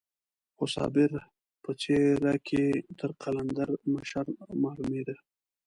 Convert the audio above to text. خو صابر په څېره کې تر قلندر مشر معلومېده.